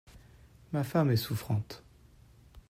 Ma femme est souffrante. …